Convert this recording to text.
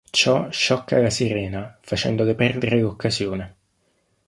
Ciò shocca la sirena, facendole perdere l'occasione.